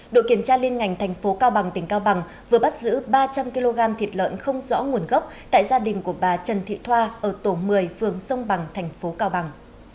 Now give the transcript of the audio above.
đội kiểm tra liên ngành thành phố cao bằng tỉnh cao bằng vừa bắt giữ ba trăm linh kg thịt lợn không rõ nguồn gốc tại gia đình của bà trần thị thoa ở tổ một mươi phường sông bằng thành phố cao bằng